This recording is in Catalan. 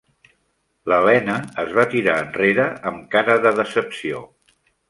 L'Helena es va tirar enrere amb cara de decepció.